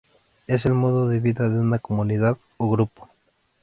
Es el modo de vida de una comunidad o grupo.